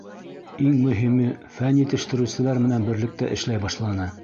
— Иң мөһиме — фән етештереүселәр менән берлектә эшләй башланы.